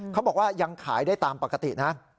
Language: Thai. เขาบอกว่ายังขายได้ตามปกตินะ